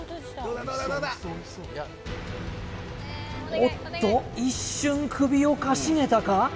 おっと一瞬首をかしげたか？